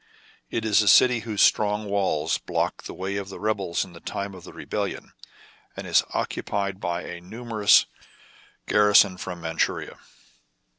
It is a city whose strong walls blocked the way of the rebels in the time of the rebellion, and is occupied by a numerous garrison from Mand shuria.